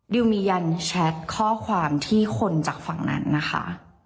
ดิวมีการแชทข้อความที่คนจากฝั่งนั้นนะคะ